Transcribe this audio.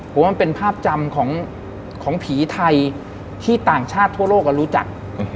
ผมว่ามันเป็นภาพจำของผีไทยที่ต่างชาติทั่วโลกรู้จัก